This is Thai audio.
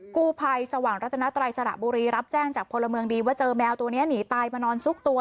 กู้ภัยสว่างรัตนาไตรสระบุรีรับแจ้งจากพลเมืองดีว่าเจอแมวตัวนี้หนีตายมานอนซุกตัว